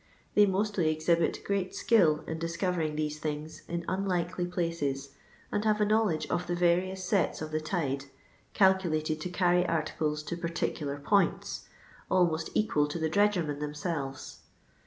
They mostly exhibit great sldll in discovering these thmgs in unlikely places, and have a know ledge of the various sets of the tide, calculated to carry articles to particular points, almost equal to the dredgermen themselves.